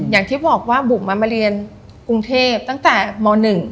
อย่างที่บอกว่าบุกมามาเรียนกรุงเทพตั้งแต่ม๑